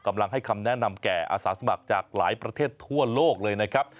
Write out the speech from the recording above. กำลังให้คำแนะนำแก่อาสาสมัครจากหลายประเทศทั่วโลกเลยนะครับ